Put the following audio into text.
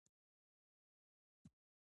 زه له خپلو زده کوونکو ډېر خوښ يم.